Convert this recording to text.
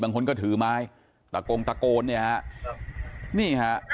บางคนก็ถือไม้ตะโกงตะโกนเนี่ยฮะนี่ฮะ